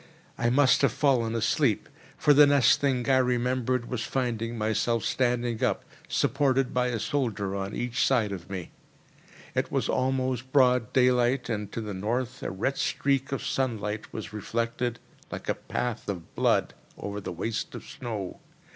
I must have fallen asleep; for the next thing I remembered was finding myself standing up, supported by a soldier on each side of me. It was almost broad daylight, and to the north a red streak of sunlight was reflected, like a path of blood, over the waste of snow.